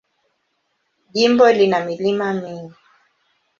Jimbo lina milima mingi.